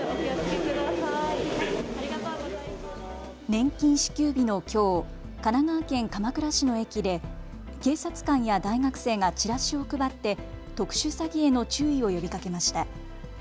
年金支給日のきょう神奈川県鎌倉市の駅で警察官や大学生がチラシを配って特殊詐欺への注意を呼びかけました。